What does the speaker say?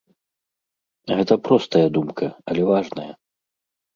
Гэта простая думка, але важная.